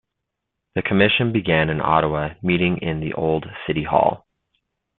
The Commission began in Ottawa, meeting in the Old City Hall.